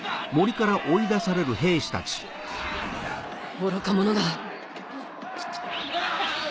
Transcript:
愚か者が。